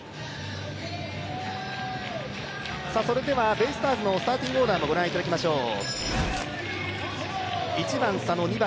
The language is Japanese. ベイスターズのスターティングオーダーもご覧いただきましょう。